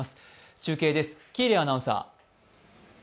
中継です、喜入アナウンサー。